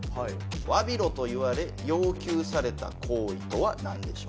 「詫びろ」と言われ要求された行為とはなんでしょうか？